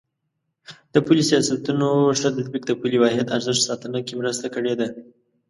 د پولي سیاستونو ښه تطبیق د پولي واحد ارزښت ساتنه کې مرسته کړې ده.